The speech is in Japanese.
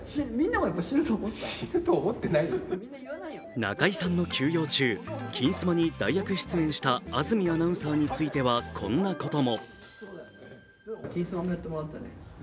中居さんの休養中、「金スマ」に代役出演した安住アナウンサーについてはこんなことも。